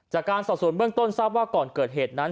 จากการสอบส่วนเบื้องต้นทราบว่าก่อนเกิดเหตุนั้น